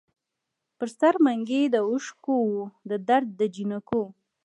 پر سر منګي د اوښکـــــو وو د درد دجینکــــو